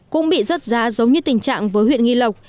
cũng bị rớt giá giống như tình trạng với huyện nghi lộc